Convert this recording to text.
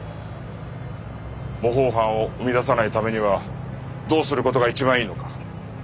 模倣犯を生み出さないためにはどうする事が一番いいのか。